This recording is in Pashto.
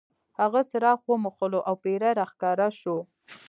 هغه څراغ وموښلو او پیری را ښکاره شو.